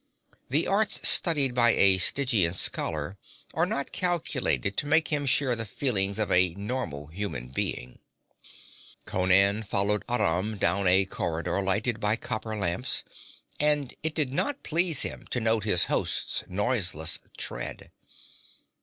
The arts studied by a Stygian scholar are not calculated to make him share the feelings of a normal human being. Conan followed Aram down a corridor lighted by copper lamps, and it did not please him to note his host's noiseless tread.